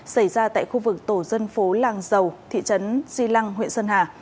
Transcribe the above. xảy ra tại khu vực tổ dân phố làng dầu thị trấn di lăng huyện sơn hà